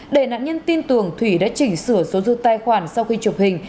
để nạn nhân tin tưởng thủy đã chỉnh sửa số dư tài khoản sau khi chụp hình